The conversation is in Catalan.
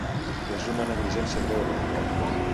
És una negligència greu, remarca.